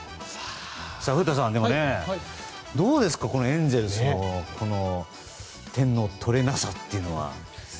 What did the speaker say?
古田さん、でもどうですかエンゼルスの点の取れなさというのは。